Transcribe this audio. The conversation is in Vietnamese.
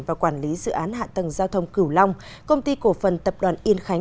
và quản lý dự án hạ tầng giao thông cửu long công ty cổ phần tập đoàn yên khánh